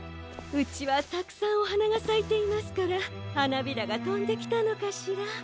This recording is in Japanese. うちはたくさんおはながさいていますからはなびらがとんできたのかしら。